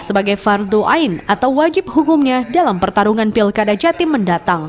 sebagai fardu ain atau wajib hukumnya dalam pertarungan pilkada jatim mendatang